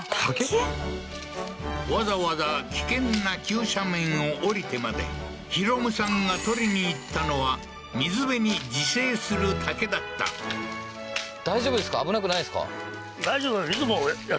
わざわざ危険な急斜面を下りてまで弘さんが取りに行ったのは水辺に自生する竹だったははははっ